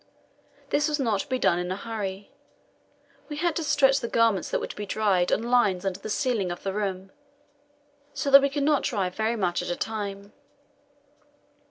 This was not to be done in a hurry. We had to stretch the garments that were to be dried on lines under the ceiling of the room, so that we could not dry very much at a time.